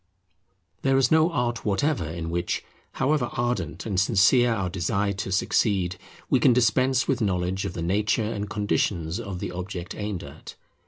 There is no art whatever in which, however ardent and sincere our desire to succeed, we can dispense with knowledge of the nature and conditions of the object aimed at.